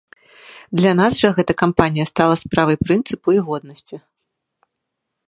Для нас жа гэтая кампанія стала справай прынцыпу і годнасці.